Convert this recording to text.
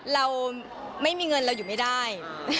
เราไม่มีเงินเราอยู่ไม่ได้